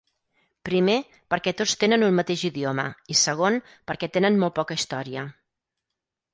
Primer, perquè tots tenen un mateix idioma, i segon, perquè tenen molt poca història.